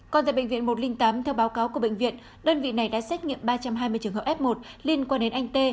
còn tại bệnh viện một trăm linh tám theo báo cáo của bệnh viện đơn vị này đã xét nghiệm ba trăm hai mươi trường hợp f một liên quan đến anh t